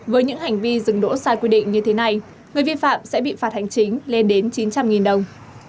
với những hành vi dừng đỗ sai quy định như thế này người vi phạm sẽ bị phạt hành chính lên đến chín trăm linh đồng